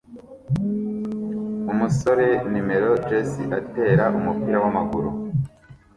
Umusore numero jersey atera umupira wamaguru